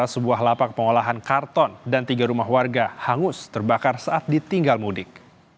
sebuah lapak pengolahan karton dan tiga rumah warga hangus terbakar saat ditinggal mudik